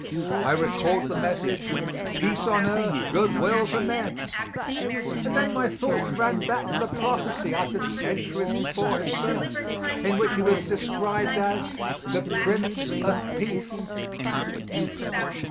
I recalled the message, "Peace on earth, good will to men," and then my thoughts ran back to the prophecy uttered centuries before His birth, in which He was described as the Prince of Peace.